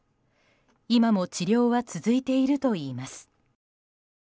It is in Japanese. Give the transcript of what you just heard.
今も治療は続いているといいます。